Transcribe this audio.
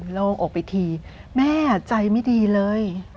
โรงอกไปทีแม่อ่ะใจไม่ดีเลย